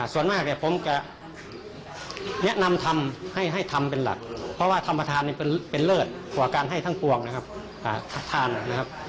ส่วนมากเนี่ยผมจะแนะนำทำให้ทำเป็นหลักเพราะว่าธรรมธานเป็นเลิศกว่าการให้ทั้งปวงนะครับทานนะครับ